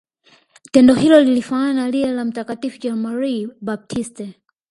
tendo hilo lilifanana na lile la mtakatifu jean marie baptiste